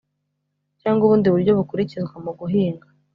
cyangwa ubundi buryo bukurikizwa mu guhinga